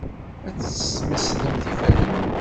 Ad tesmesdem tiferyin.